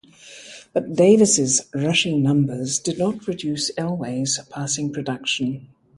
But Davis' rushing numbers did not reduce Elway's passing production.